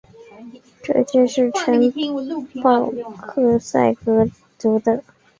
这些城堡是克塞格族的。